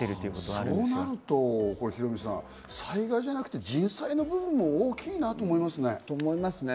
そうなるとヒロミさん、災害じゃなくて人災の部分が大きいなと思いますね。